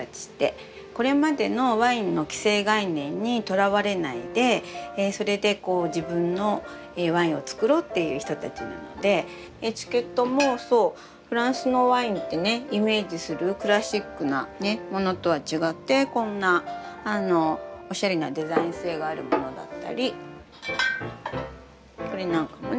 これまでのワインの既成概念にとらわれないでそれでこう自分のワインをつくろうっていう人たちなのでエチケットもそうフランスのワインってねイメージするクラシックなねものとは違ってこんなおしゃれなデザイン性があるものだったりこれなんかもね